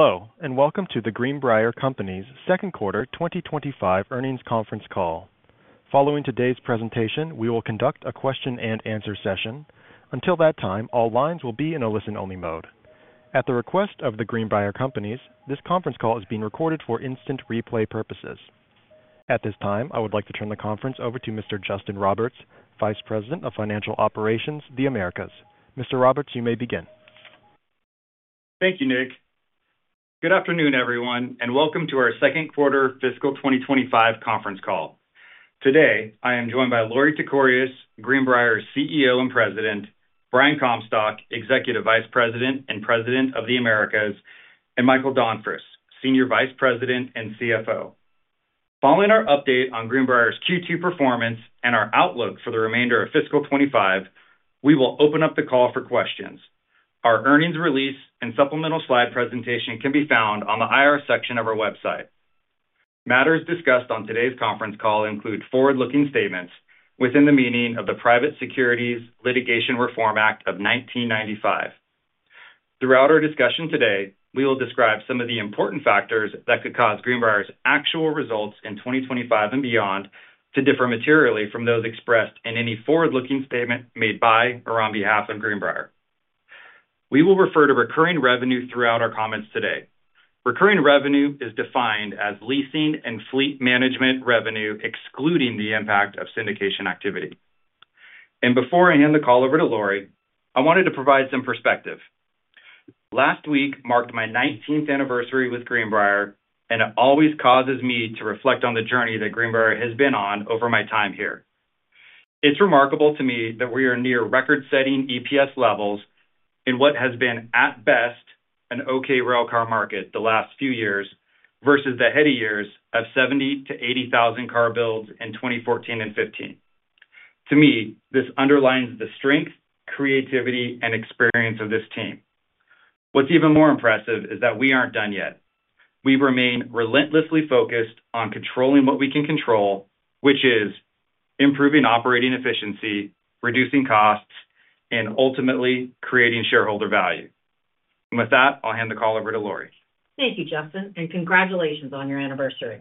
Hello, and welcome to The Greenbrier Companies second quarter 2025 earnings conference call. Following today's presentation, we will conduct a question-and-answer session. Until that time, all lines will be in a listen-only mode. At the request of The Greenbrier Companies, this conference call is being recorded for instant replay purposes. At this time, I would like to turn the conference over to Mr. Justin Roberts, Vice President of Financial Operations, The Americas. Mr. Roberts, you may begin. Thank you, Nick. Good afternoon, everyone, and welcome to our second quarter fiscal 2025 conference call. Today, I am joined by Lorie Tekorius, Greenbrier's CEO and President; Brian Comstock, Executive Vice President and President of The Americas; and Michael Donfris, Senior Vice President and CFO. Following our update on Greenbrier's Q2 performance and our outlook for the remainder of fiscal 2025, we will open up the call for questions. Our earnings release and supplemental slide presentation can be found on the IR section of our website. Matters discussed on today's conference call include forward-looking statements within the meaning of the Private Securities Litigation Reform Act of 1995. Throughout our discussion today, we will describe some of the important factors that could cause Greenbrier's actual results in 2025 and beyond to differ materially from those expressed in any forward-looking statement made by or on behalf of Greenbrier. We will refer to recurring revenue throughout our comments today. Recurring revenue is defined as leasing and fleet management revenue excluding the impact of syndication activity. Before I hand the call over to Lorie, I wanted to provide some perspective. Last week marked my 19th anniversary with Greenbrier, and it always causes me to reflect on the journey that Greenbrier has been on over my time here. It's remarkable to me that we are near record-setting EPS levels in what has been, at best, an okay railcar market the last few years versus the heady years of 70,000-80,000 car builds in 2014 and 2015. To me, this underlines the strength, creativity, and experience of this team. What's even more impressive is that we aren't done yet. We remain relentlessly focused on controlling what we can control, which is improving operating efficiency, reducing costs, and ultimately creating shareholder value. With that, I'll hand the call over to Lorie. Thank you, Justin, and congratulations on your anniversary.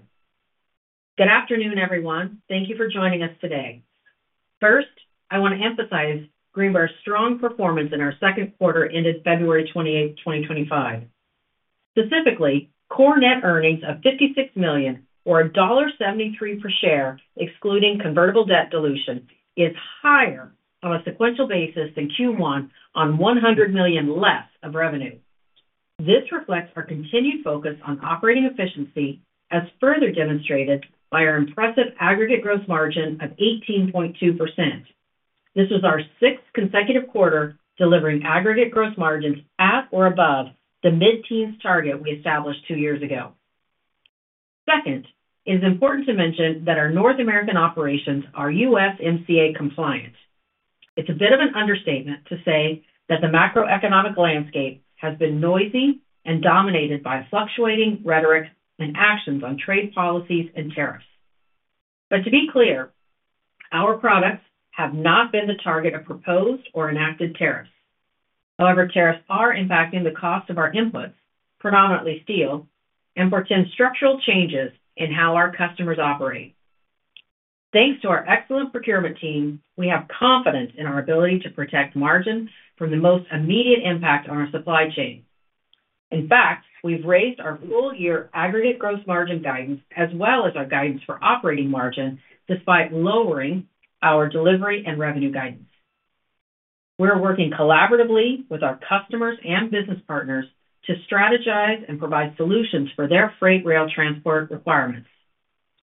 Good afternoon, everyone. Thank you for joining us today. First, I want to emphasize Greenbrier's strong performance in our second quarter ended February 28, 2025. Specifically, core net earnings of $56 million, or $1.73 per share excluding convertible debt dilution, is higher on a sequential basis than Q1 on $100 million less of revenue. This reflects our continued focus on operating efficiency, as further demonstrated by our impressive aggregate gross margin of 18.2%. This was our sixth consecutive quarter delivering aggregate gross margins at or above the mid-teens target we established two years ago. Second, it is important to mention that our North American operations are USMCA compliant. It's a bit of an understatement to say that the macroeconomic landscape has been noisy and dominated by fluctuating rhetoric and actions on trade policies and tariffs. To be clear, our products have not been the target of proposed or enacted tariffs. However, tariffs are impacting the cost of our inputs, predominantly steel, and portend structural changes in how our customers operate. Thanks to our excellent procurement team, we have confidence in our ability to protect margin from the most immediate impact on our supply chain. In fact, we've raised our full-year aggregate gross margin guidance as well as our guidance for operating margin despite lowering our delivery and revenue guidance. We're working collaboratively with our customers and business partners to strategize and provide solutions for their freight rail transport requirements.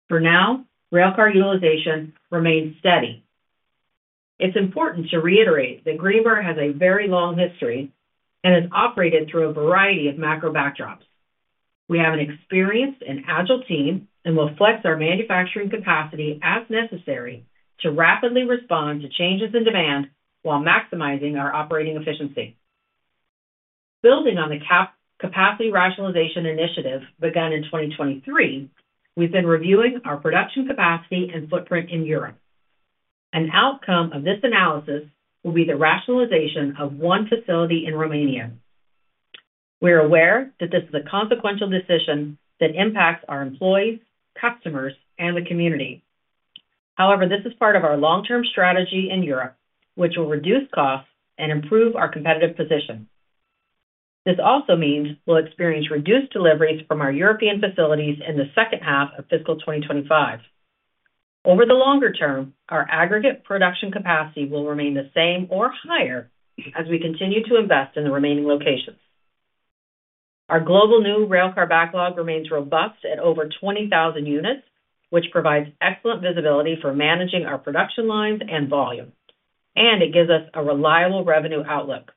For now, railcar utilization remains steady. It's important to reiterate that Greenbrier has a very long history and has operated through a variety of macro backdrops. We have an experienced and agile team and will flex our manufacturing capacity as necessary to rapidly respond to changes in demand while maximizing our operating efficiency. Building on the capacity rationalization initiative begun in 2023, we've been reviewing our production capacity and footprint in Europe. An outcome of this analysis will be the rationalization of one facility in Romania. We're aware that this is a consequential decision that impacts our employees, customers, and the community. However, this is part of our long-term strategy in Europe, which will reduce costs and improve our competitive position. This also means we'll experience reduced deliveries from our European facilities in the second half of fiscal 2025. Over the longer term, our aggregate production capacity will remain the same or higher as we continue to invest in the remaining locations. Our global new railcar backlog remains robust at over 20,000 units, which provides excellent visibility for managing our production lines and volume, and it gives us a reliable revenue outlook.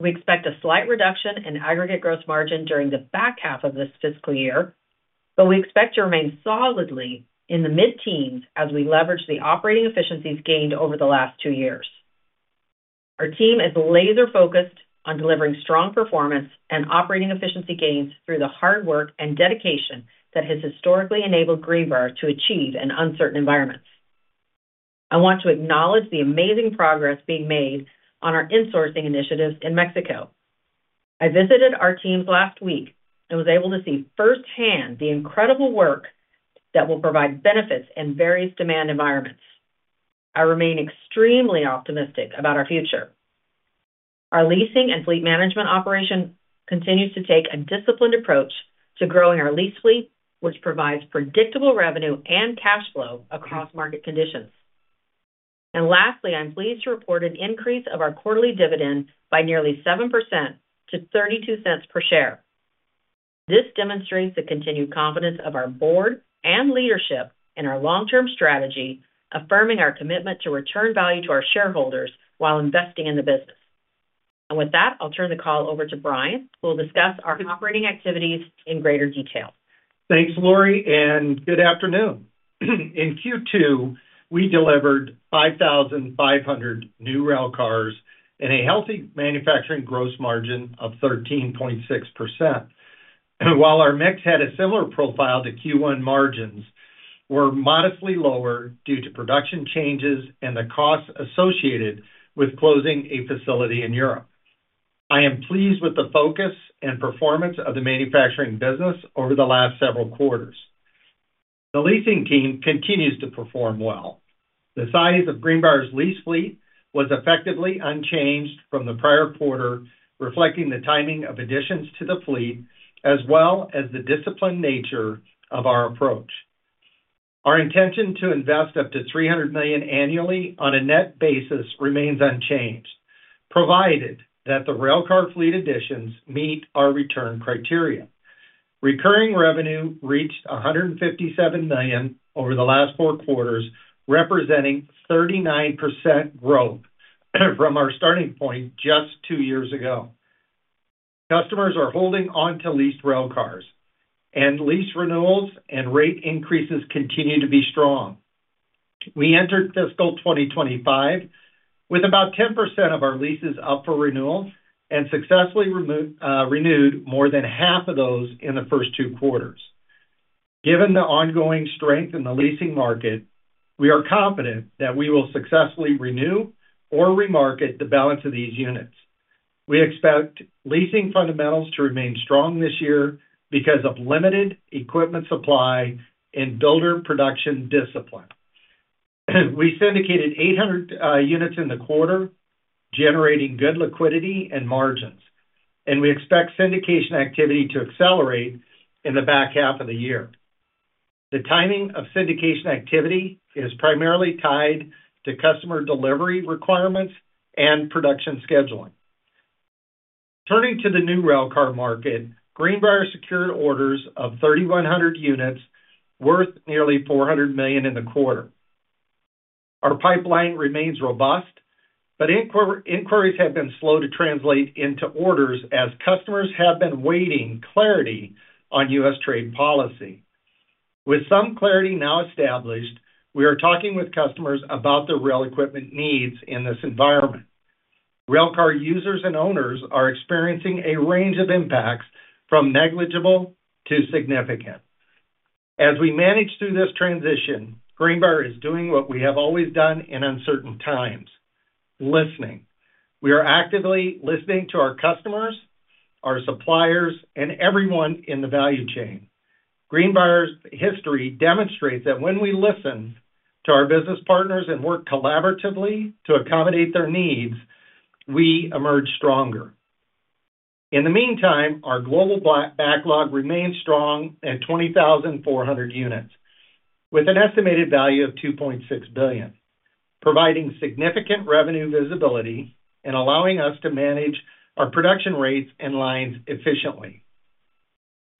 We expect a slight reduction in aggregate gross margin during the back half of this fiscal year, but we expect to remain solidly in the mid-teens as we leverage the operating efficiencies gained over the last two years. Our team is laser-focused on delivering strong performance and operating efficiency gains through the hard work and dedication that has historically enabled Greenbrier to achieve in uncertain environments. I want to acknowledge the amazing progress being made on our insourcing initiatives in Mexico. I visited our teams last week and was able to see firsthand the incredible work that will provide benefits in various demand environments. I remain extremely optimistic about our future. Our leasing and fleet management operation continues to take a disciplined approach to growing our lease fleet, which provides predictable revenue and cash flow across market conditions. Lastly, I'm pleased to report an increase of our quarterly dividend by nearly 7% to $0.32 per share. This demonstrates the continued confidence of our board and leadership in our long-term strategy, affirming our commitment to return value to our shareholders while investing in the business. With that, I'll turn the call over to Brian, who will discuss our operating activities in greater detail. Thanks, Lorie, and good afternoon. In Q2, we delivered 5,500 new railcars and a healthy manufacturing gross margin of 13.6%. While our mix had a similar profile to Q1, margins were modestly lower due to production changes and the costs associated with closing a facility in Europe. I am pleased with the focus and performance of the manufacturing business over the last several quarters. The leasing team continues to perform well. The size of Greenbrier's lease fleet was effectively unchanged from the prior quarter, reflecting the timing of additions to the fleet as well as the disciplined nature of our approach. Our intention to invest up to $300 million annually on a net basis remains unchanged, provided that the railcar fleet additions meet our return criteria. Recurring revenue reached $157 million over the last four quarters, representing 39% growth from our starting point just two years ago. Customers are holding on to leased railcars, and lease renewals and rate increases continue to be strong. We entered fiscal 2025 with about 10% of our leases up for renewal and successfully renewed more than half of those in the first two quarters. Given the ongoing strength in the leasing market, we are confident that we will successfully renew or remarket the balance of these units. We expect leasing fundamentals to remain strong this year because of limited equipment supply and builder production discipline. We syndicated 800 units in the quarter, generating good liquidity and margins, and we expect syndication activity to accelerate in the back half of the year. The timing of syndication activity is primarily tied to customer delivery requirements and production scheduling. Turning to the new railcar market, Greenbrier secured orders of 3,100 units worth nearly $400 million in the quarter. Our pipeline remains robust, but inquiries have been slow to translate into orders as customers have been waiting clarity on U.S. trade policy. With some clarity now established, we are talking with customers about their rail equipment needs in this environment. Railcar users and owners are experiencing a range of impacts from negligible to significant. As we manage through this transition, Greenbrier is doing what we have always done in uncertain times: listening. We are actively listening to our customers, our suppliers, and everyone in the value chain. Greenbrier's history demonstrates that when we listen to our business partners and work collaboratively to accommodate their needs, we emerge stronger. In the meantime, our global backlog remains strong at 20,400 units, with an estimated value of $2.6 billion, providing significant revenue visibility and allowing us to manage our production rates and lines efficiently.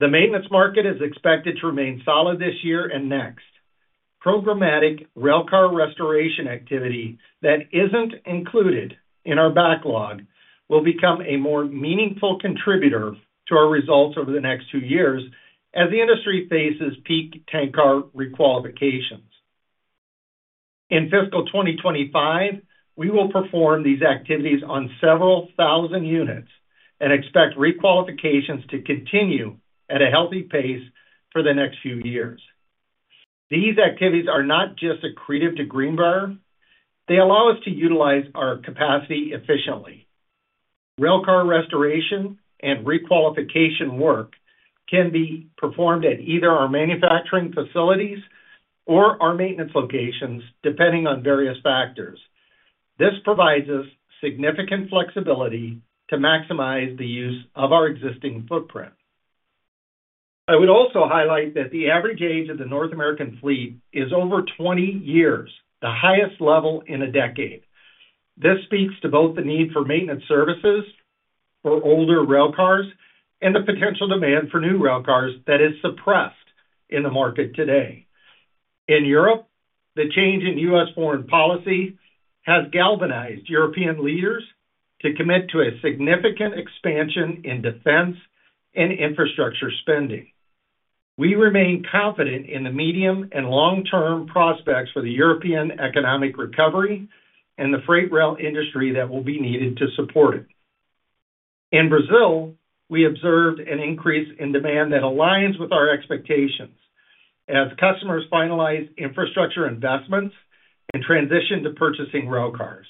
The maintenance market is expected to remain solid this year and next. Programmatic railcar restoration activity that is not included in our backlog will become a more meaningful contributor to our results over the next two years as the industry faces peak tank car requalifications. In fiscal 2025, we will perform these activities on several thousand units and expect requalifications to continue at a healthy pace for the next few years. These activities are not just accretive to Greenbrier; they allow us to utilize our capacity efficiently. Railcar restoration and requalification work can be performed at either our manufacturing facilities or our maintenance locations, depending on various factors. This provides us significant flexibility to maximize the use of our existing footprint. I would also highlight that the average age of the North American fleet is over 20 years, the highest level in a decade. This speaks to both the need for maintenance services for older railcars and the potential demand for new railcars that is suppressed in the market today. In Europe, the change in U.S. foreign policy has galvanized European leaders to commit to a significant expansion in defense and infrastructure spending. We remain confident in the medium and long-term prospects for the European economic recovery and the freight rail industry that will be needed to support it. In Brazil, we observed an increase in demand that aligns with our expectations as customers finalize infrastructure investments and transition to purchasing railcars.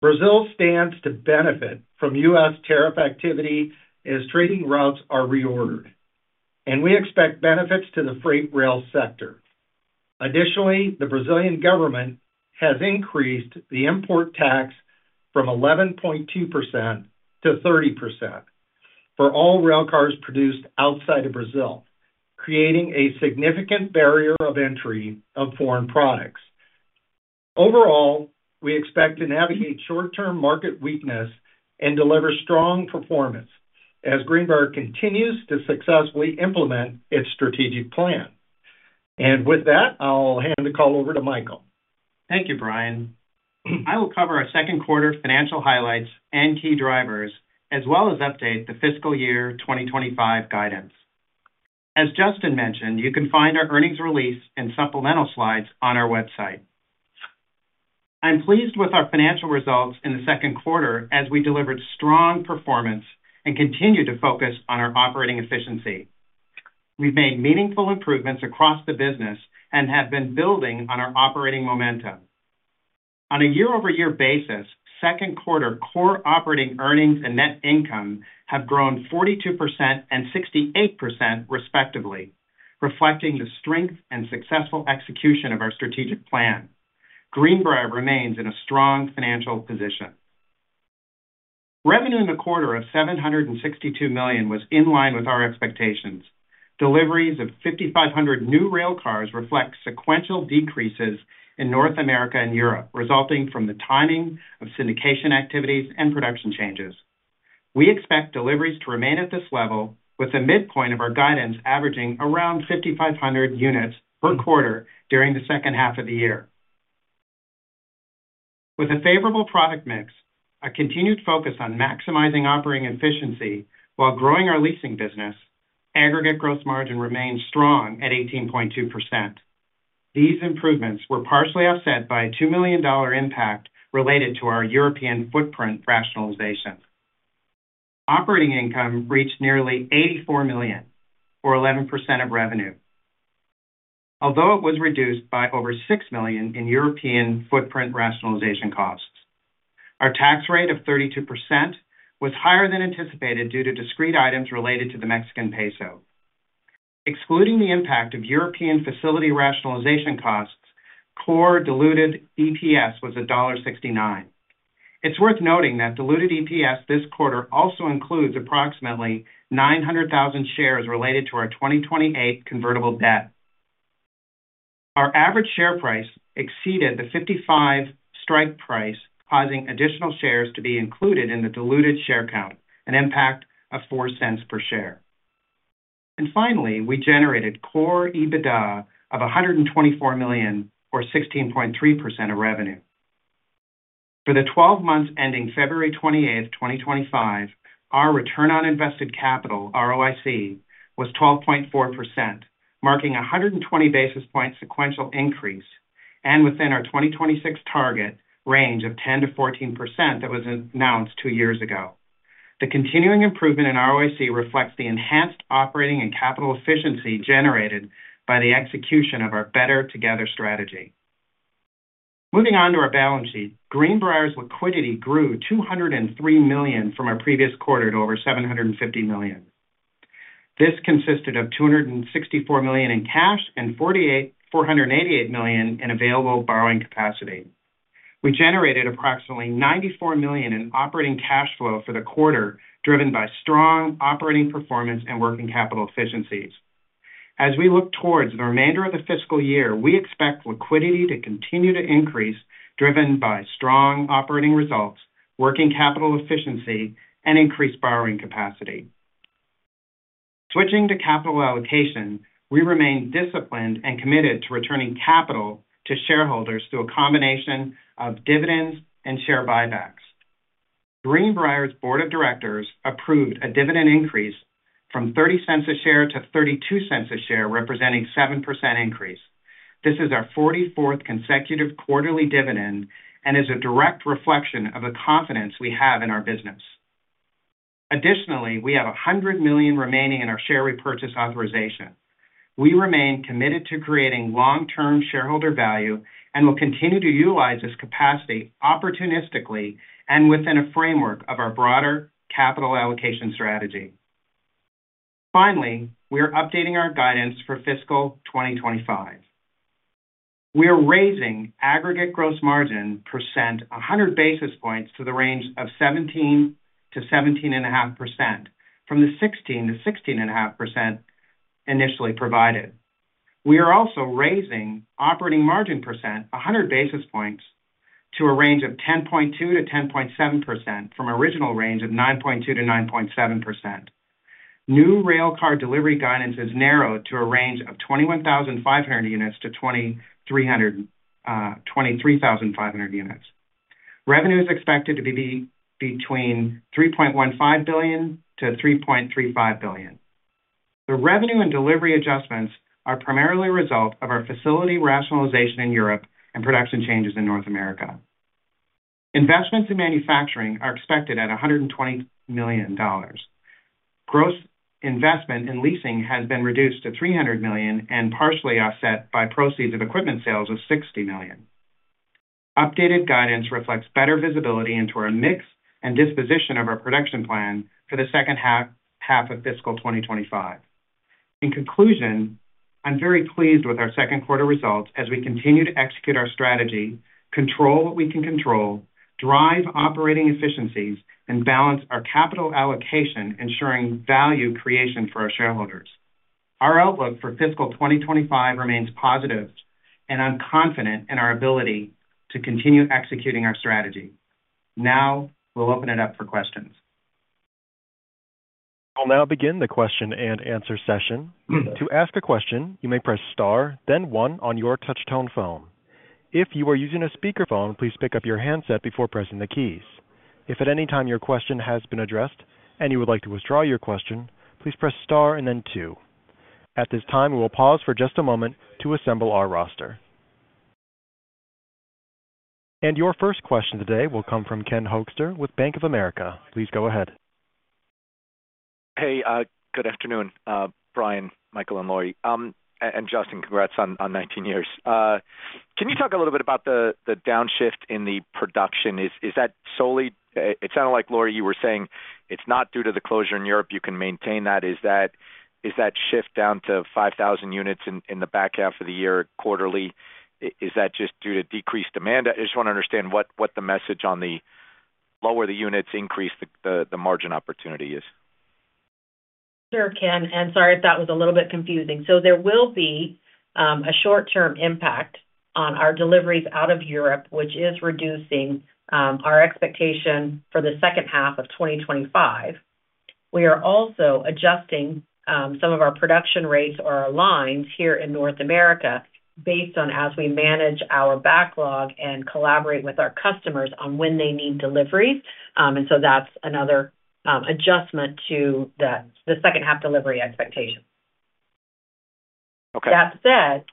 Brazil stands to benefit from U.S. tariff activity as trading routes are reordered, and we expect benefits to the freight rail sector. Additionally, the Brazilian government has increased the import tax from 11.2% to 30% for all railcars produced outside of Brazil, creating a significant barrier of entry of foreign products. Overall, we expect to navigate short-term market weakness and deliver strong performance as Greenbrier continues to successfully implement its strategic plan. With that, I'll hand the call over to Michael. Thank you, Brian. I will cover our second quarter financial highlights and key drivers, as well as update the fiscal year 2025 guidance. As Justin mentioned, you can find our earnings release and supplemental slides on our website. I'm pleased with our financial results in the second quarter as we delivered strong performance and continue to focus on our operating efficiency. We've made meaningful improvements across the business and have been building on our operating momentum. On a year-over-year basis, second quarter core operating earnings and net income have grown 42% and 68% respectively, reflecting the strength and successful execution of our strategic plan. Greenbrier remains in a strong financial position. Revenue in the quarter of $762 million was in line with our expectations. Deliveries of 5,500 new railcars reflect sequential decreases in North America and Europe, resulting from the timing of syndication activities and production changes. We expect deliveries to remain at this level, with the midpoint of our guidance averaging around 5,500 units per quarter during the second half of the year. With a favorable product mix, a continued focus on maximizing operating efficiency while growing our leasing business, aggregate gross margin remains strong at 18.2%. These improvements were partially offset by a $2 million impact related to our European footprint rationalization. Operating income reached nearly $84 million, or 11% of revenue, although it was reduced by over $6 million in European footprint rationalization costs. Our tax rate of 32% was higher than anticipated due to discrete items related to the Mexican peso. Excluding the impact of European facility rationalization costs, core diluted EPS was $1.69. It's worth noting that diluted EPS this quarter also includes approximately 900,000 shares related to our 2028 convertible debt. Our average share price exceeded the 55 strike price, causing additional shares to be included in the diluted share count, an impact of $0.04 per share. Finally, we generated core EBITDA of $124 million, or 16.3% of revenue. For the 12 months ending February 28, 2025, our return on invested capital, ROIC, was 12.4%, marking a 120 basis point sequential increase and within our 2026 target range of 10%-14% that was announced two years ago. The continuing improvement in ROIC reflects the enhanced operating and capital efficiency generated by the execution of our Better Together strategy. Moving on to our balance sheet, Greenbrier's liquidity grew $203 million from our previous quarter to over $750 million. This consisted of $264 million in cash and $488 million in available borrowing capacity. We generated approximately $94 million in operating cash flow for the quarter, driven by strong operating performance and working capital efficiencies. As we look towards the remainder of the fiscal year, we expect liquidity to continue to increase, driven by strong operating results, working capital efficiency, and increased borrowing capacity. Switching to capital allocation, we remain disciplined and committed to returning capital to shareholders through a combination of dividends and share buybacks. Greenbrier's board of directors approved a dividend increase from $0.30 a share to $0.32 a share, representing a 7% increase. This is our 44th consecutive quarterly dividend and is a direct reflection of the confidence we have in our business. Additionally, we have $100 million remaining in our share repurchase authorization. We remain committed to creating long-term shareholder value and will continue to utilize this capacity opportunistically and within a framework of our broader capital allocation strategy. Finally, we are updating our guidance for fiscal 2025. We are raising aggregate gross margin percent 100 basis points to the range of 17%-17.5% from the 16%-16.5% initially provided. We are also raising operating margin percent 100 basis points to a range of 10.2%-10.7% from the original range of 9.2%-9.7%. New railcar delivery guidance is narrowed to a range of 21,500 units-23,500 units. Revenue is expected to be between $3.15 billion-$3.35 billion. The revenue and delivery adjustments are primarily a result of our facility rationalization in Europe and production changes in North America. Investments in manufacturing are expected at $120 million. Gross investment in leasing has been reduced to $300 million and partially offset by proceeds of equipment sales of $60 million. Updated guidance reflects better visibility into our mix and disposition of our production plan for the second half of fiscal 2025. In conclusion, I'm very pleased with our second quarter results as we continue to execute our strategy, control what we can control, drive operating efficiencies, and balance our capital allocation, ensuring value creation for our shareholders. Our outlook for fiscal 2025 remains positive, and I'm confident in our ability to continue executing our strategy. Now, we'll open it up for questions. We will now begin the question and answer session. To ask a question, you may press star, then one on your touch-tone phone. If you are using a speakerphone, please pick up your handset before pressing the keys. If at any time your question has been addressed and you would like to withdraw your question, please press star and then two. At this time, we will pause for just a moment to assemble our roster. Your first question today will come from Ken Hoexter with Bank of America. Please go ahead. Hey, good afternoon, Brian, Michael, and Lorie, and Justin. Congrats on 19 years. Can you talk a little bit about the downshift in the production? Is that solely—it sounded like, Lorie, you were saying it's not due to the closure in Europe. You can maintain that. Is that shift down to 5,000 units in the back half of the year quarterly? Is that just due to decreased demand? I just want to understand what the message on the lower the units increase the margin opportunity is. Sure, Ken. Sorry if that was a little bit confusing. There will be a short-term impact on our deliveries out of Europe, which is reducing our expectation for the second half of 2025. We are also adjusting some of our production rates or our lines here in North America based on as we manage our backlog and collaborate with our customers on when they need deliveries. That is another adjustment to the second-half delivery expectation. Okay. That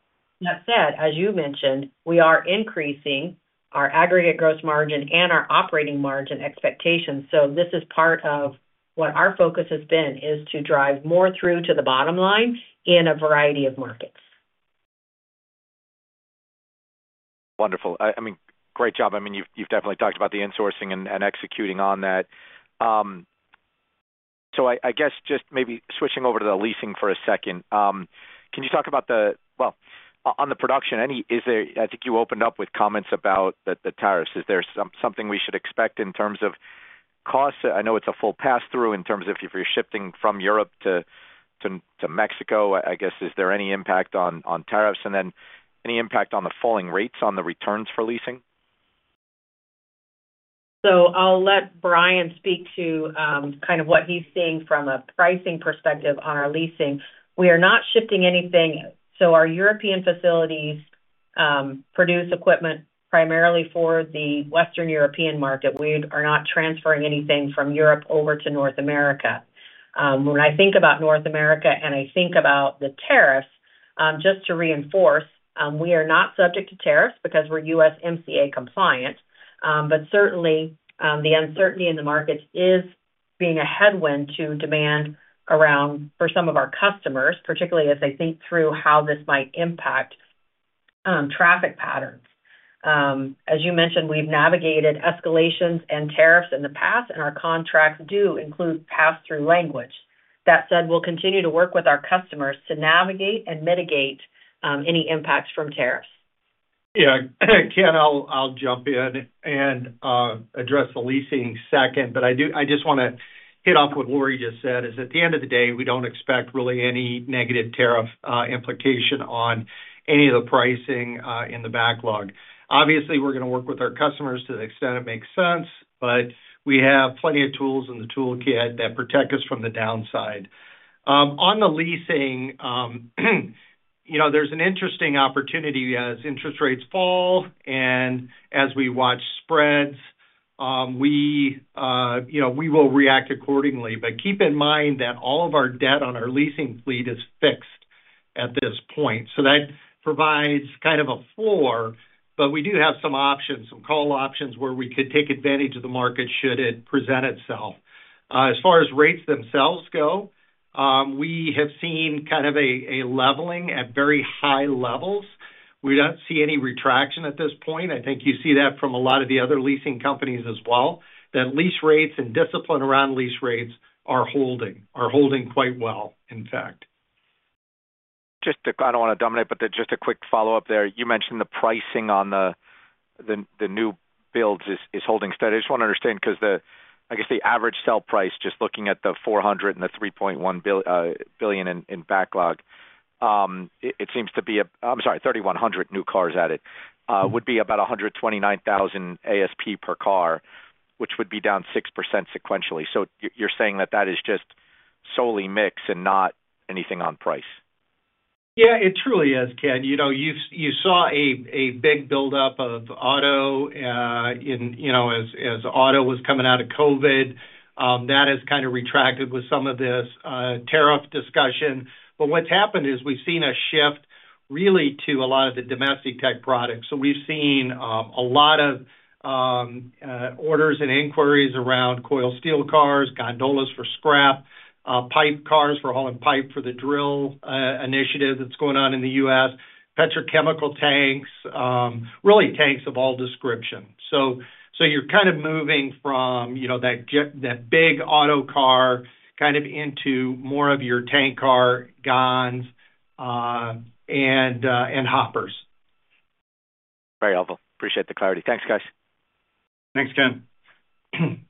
said, as you mentioned, we are increasing our aggregate gross margin and our operating margin expectations. This is part of what our focus has been, is to drive more through to the bottom line in a variety of markets. Wonderful. I mean, great job. I mean, you've definitely talked about the insourcing and executing on that. I guess just maybe switching over to the leasing for a second. Can you talk about the—well, on the production, I think you opened up with comments about the tariffs. Is there something we should expect in terms of costs? I know it's a full pass-through in terms of if you're shifting from Europe to Mexico. I guess, is there any impact on tariffs and then any impact on the falling rates on the returns for leasing? I'll let Brian speak to kind of what he's seeing from a pricing perspective on our leasing. We are not shifting anything. Our European facilities produce equipment primarily for the Western European market. We are not transferring anything from Europe over to North America. When I think about North America and I think about the tariffs, just to reinforce, we are not subject to tariffs because we're USMCA compliant. Certainly, the uncertainty in the markets is being a headwind to demand for some of our customers, particularly as they think through how this might impact traffic patterns. As you mentioned, we've navigated escalations and tariffs in the past, and our contracts do include pass-through language. That said, we'll continue to work with our customers to navigate and mitigate any impacts from tariffs. Yeah. Ken, I'll jump in and address the leasing second, but I just want to hit off what Lorie just said. At the end of the day, we don't expect really any negative tariff implication on any of the pricing in the backlog. Obviously, we're going to work with our customers to the extent it makes sense, but we have plenty of tools in the toolkit that protect us from the downside. On the leasing, there's an interesting opportunity as interest rates fall and as we watch spreads, we will react accordingly. Keep in mind that all of our debt on our leasing fleet is fixed at this point. That provides kind of a floor, but we do have some options, some call options where we could take advantage of the market should it present itself. As far as rates themselves go, we have seen kind of a leveling at very high levels. We do not see any retraction at this point. I think you see that from a lot of the other leasing companies as well. That lease rates and discipline around lease rates are holding, are holding quite well, in fact. Just to—I do not want to dominate, but just a quick follow-up there. You mentioned the pricing on the new builds is holding steady. I just want to understand because the, I guess, the average sell price, just looking at the 400 and the $3.1 billion in backlog, it seems to be—I am sorry, 3,100 new cars added would be about $129,000 ASP per car, which would be down 6% sequentially. You are saying that that is just solely mix and not anything on price? Yeah, it truly is, Ken. You saw a big buildup of auto as auto was coming out of COVID. That has kind of retracted with some of this tariff discussion. What's happened is we've seen a shift really to a lot of the domestic tank products. We've seen a lot of orders and inquiries around coil steel cars, gondolas for scrap, pipe cars for hauling pipe for the drill initiative that's going on in the U.S., petrochemical tanks, really tanks of all description. You're kind of moving from that big auto car kind of into more of your tank car, gons, and hoppers. Very helpful. Appreciate the clarity. Thanks, guys. Thanks, Ken.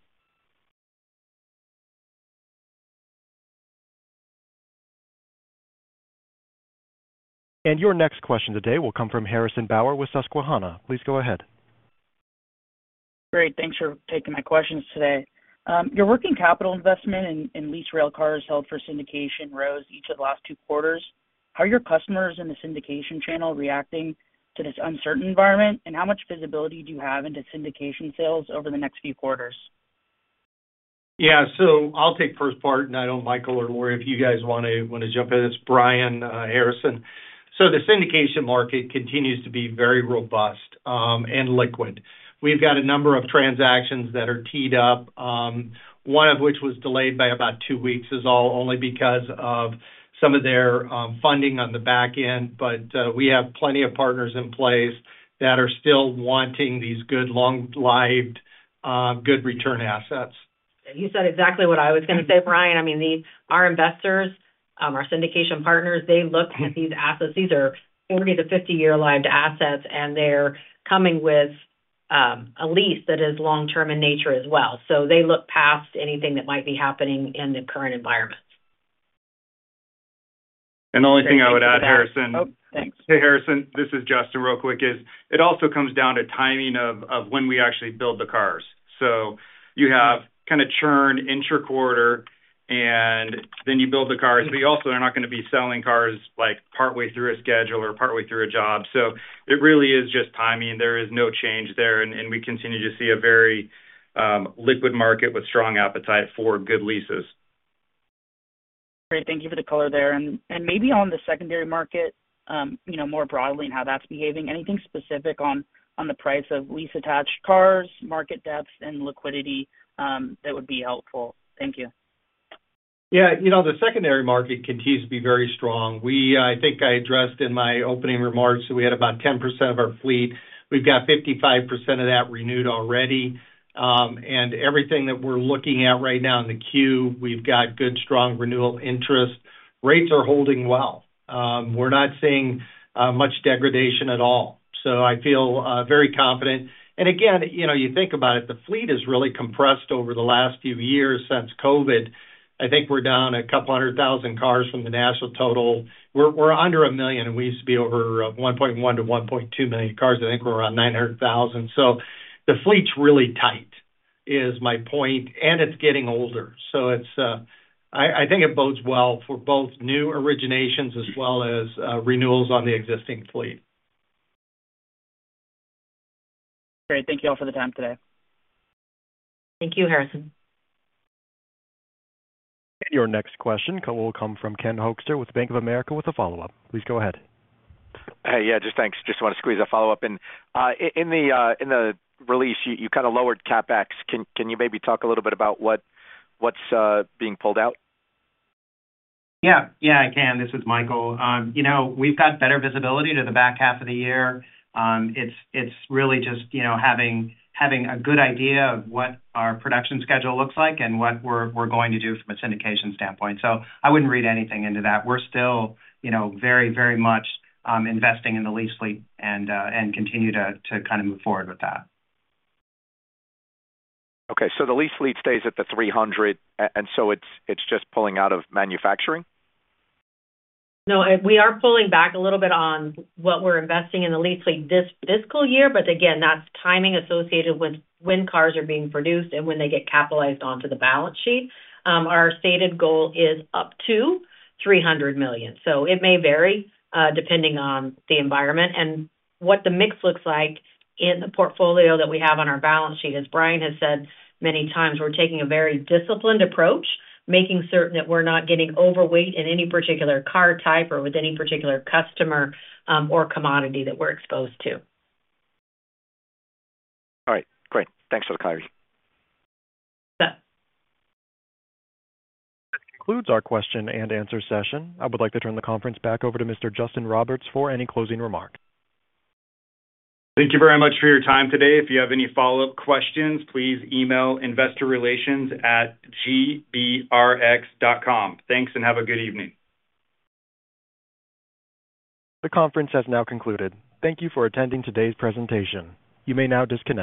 Your next question today will come from Harrison Bauer with Susquehanna. Please go ahead. Great. Thanks for taking my questions today. Your working capital investment in leased railcars held for syndication rose each of the last two quarters. How are your customers in the syndication channel reacting to this uncertain environment, and how much visibility do you have into syndication sales over the next few quarters? Yeah. I'll take first part, and I know Michael or Lorie, if you guys want to jump in. It's Brian, Harrison. The syndication market continues to be very robust and liquid. We've got a number of transactions that are teed up, one of which was delayed by about two weeks only because of some of their funding on the back end. We have plenty of partners in place that are still wanting these good, long-lived, good return assets. You said exactly what I was going to say, Brian. I mean, our investors, our syndication partners, they look at these assets. These are 40-year-50-year lived assets, and they're coming with a lease that is long-term in nature as well. They look past anything that might be happening in the current environment. The only thing I would add, Harrison. Oh, thanks. Hey, Harrison, this is Justin real quick. It also comes down to timing of when we actually build the cars. You have kind of churn intra-quarter, and then you build the cars. You also are not going to be selling cars partway through a schedule or partway through a job. It really is just timing. There is no change there. We continue to see a very liquid market with strong appetite for good leases. Great. Thank you for the color there. Maybe on the secondary market, more broadly in how that's behaving, anything specific on the price of lease-attached cars, market depth, and liquidity that would be helpful? Thank you. Yeah. The secondary market continues to be very strong. I think I addressed in my opening remarks that we had about 10% of our fleet. We've got 55% of that renewed already. Everything that we're looking at right now in the queue, we've got good, strong renewal interest. Rates are holding well. We're not seeing much degradation at all. I feel very confident. You think about it, the fleet is really compressed over the last few years since COVID. I think we're down a couple hundred thousand cars from the national total. We're under a million, and we used to be over 1.1 million-1.2 million cars. I think we're around 900,000. The fleet's really tight is my point. It's getting older. I think it bodes well for both new originations as well as renewals on the existing fleet. Great. Thank you all for the time today. Thank you, Harrison. Your next question will come from Ken Hoexter with Bank of America with a follow-up. Please go ahead. Hey, yeah, just thanks. Just want to squeeze a follow-up. In the release, you kind of lowered CapEx. Can you maybe talk a little bit about what's being pulled out? Yeah. Yeah, I can. This is Michael. We've got better visibility to the back half of the year. It's really just having a good idea of what our production schedule looks like and what we're going to do from a syndication standpoint. I wouldn't read anything into that. We're still very, very much investing in the lease fleet and continue to kind of move forward with that. Okay. So the lease fleet stays at the 300, and so it's just pulling out of manufacturing? No, we are pulling back a little bit on what we're investing in the lease fleet this fiscal year. Again, that's timing associated with when cars are being produced and when they get capitalized onto the balance sheet. Our stated goal is up to $300 million. It may vary depending on the environment. What the mix looks like in the portfolio that we have on our balance sheet, as Brian has said many times, we're taking a very disciplined approach, making certain that we're not getting overweight in any particular car type or with any particular customer or commodity that we're exposed to. All right. Great. Thanks That concludes our question and answer session. I would like to turn the conference back over to Mr. Justin Roberts for any closing remark. Thank you very much for your time today. If you have any follow-up questions, please email investorrelations@gbrx.com. Thanks, and have a good evening. The conference has now concluded. Thank you for attending today's presentation. You may now disconnect.